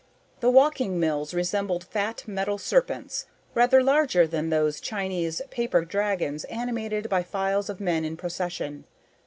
The walking mills resembled fat metal serpents, rather larger than those Chinese paper dragons animated by files of men in procession.